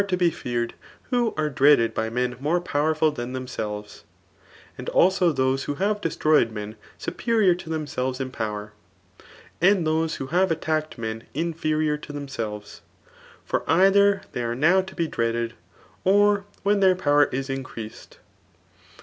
tobtibred wbo aie dreaded bj men more powerful tfasa themselves; aad abo tboee who have destroyed men superior to rhem g^ves in power; and those who have attacked men ilrferior to tiiefDsdves ; for either they are now to be dwadicdli or when their power is incre»ed.